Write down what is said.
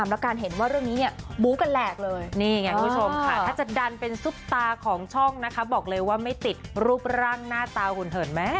มันเป็นซุปตาของช่องนะคะบอกเลยว่าไม่ติดรูปร่างหน้าตาหุ่นเหินแม่